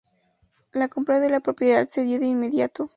La compra de la propiedad se dio de inmediato.